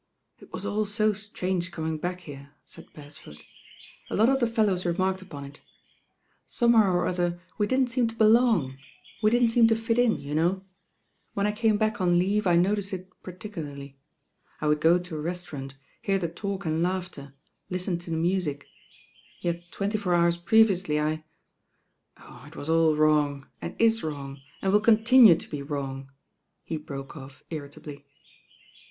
"It was all so strange coming back here," said Beresford, "a lot of the fellows remarked upon it. Somehow or other we didn't seem to belong — ^we didn't seem to fit in, you know. When I came back |i S' III' •* THE RAm ontL on leave I noticed it particularly. I would go to a rcataurant, hear the talk and laughter, liiten to the music; yet twenty four hours previously I ohl it was »n wrong, and is wrong, and will continue to be wrong," he broke off irritably.